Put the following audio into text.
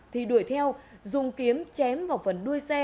thì đuổi theo dùng kiếm chém vào phần đuôi xe